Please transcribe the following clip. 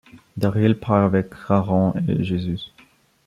Daryl part avec Aaron et Jésus.